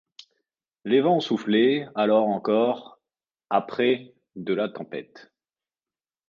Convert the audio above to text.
Les vents soufflaient alors encore à près de la tempête.